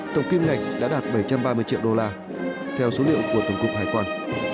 tổng kim ngạch đã đạt bảy trăm ba mươi triệu đô la theo số liệu của tổng cục hải quan